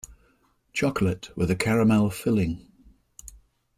Chocolate with a caramel filling.